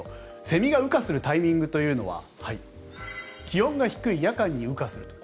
セミが羽化するタイミングというのは気温が低い夜間に羽化すると。